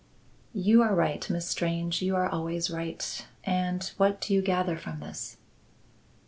"You are right, Miss Strange; you are always right. And what do you gather from this?"